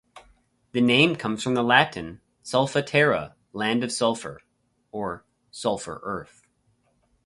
The name comes from the Latin, "Sulpha terra", "land of sulfur", or "sulfur earth".